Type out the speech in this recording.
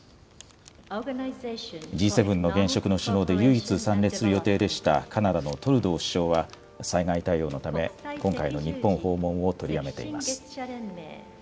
Ｇ７の現職の首脳で唯一参列する予定でした、カナダのトルドー首相は、災害対応のため、今回の日本訪問を取りやめています。